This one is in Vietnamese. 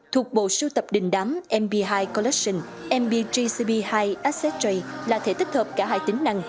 thuộc bộ sưu tập đình đám mp hai collection mp jcb hai accesstrade là thể tích hợp cả hai tính năng